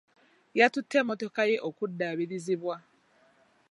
Yatutte emmotoka ye okuddaabirizibwa.